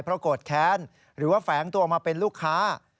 เพราะโกรธแค้นหรือว่าแฝงตัวมาเป็นลูกค้า